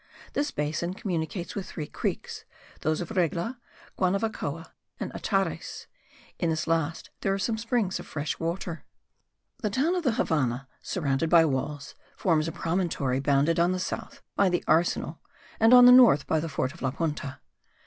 This basin communicates with three creeks, those of Regla, Guanavacoa and Atares; in this last there are some springs of fresh water. The town of the Havannah, surrounded by walls, forms a promontory bounded on the south by the arsenal and on the north by the fort of La Punta.